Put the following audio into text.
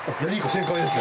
正解です。